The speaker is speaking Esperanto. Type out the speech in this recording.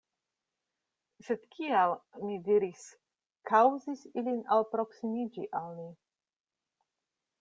Sed kial, mi diris, kaŭzis ilin alproksimiĝi al ni?